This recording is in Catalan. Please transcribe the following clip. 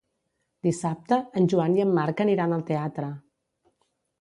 Dissabte en Joan i en Marc aniran al teatre.